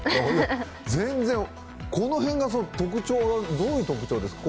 全然、この辺が特徴どういう特徴ですか？